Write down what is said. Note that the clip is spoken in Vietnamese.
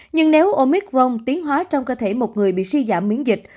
nhưng nếu omicron tiến hóa trong cơ thể một người bị suy giảm miễn dịch